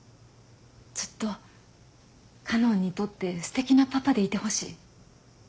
ずっと花音にとってすてきなパパでいてほしい。